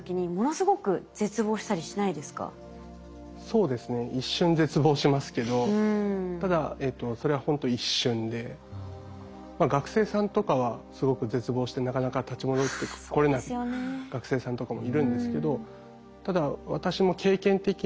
そうですね一瞬絶望しますけどただそれはほんと一瞬で学生さんとかはすごく絶望してなかなか立ち戻ってこれない学生さんとかもいるんですけど。